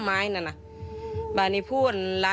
แม่จะมาเรียกร้องอะไร